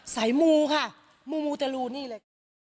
สายมูมูมูเดี๋ยวรู้นี่เลย